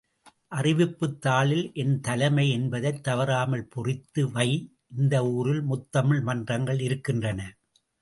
அறிவிப்புத் தாளில் என் தலைமை என்பதைத் தவறாமல் பொறித்து வை இந்த ஊரில் முத்தமிழ் மன்றங்கள் இருக்கின்றன.